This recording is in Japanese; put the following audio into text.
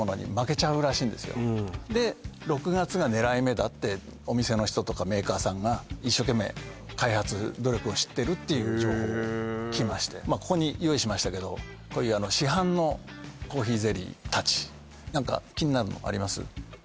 でだってお店の人とかメーカーさんが一生懸命開発努力をしてるっていう情報を聞きましてここに用意しましたけどこういう市販のコーヒーゼリー達何か気になるのあります？